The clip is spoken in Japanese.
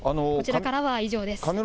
こちらからは以上です。